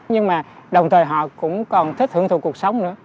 nhưng mà đồng thời họ cũng còn thích hưởng thụ cuộc sống nữa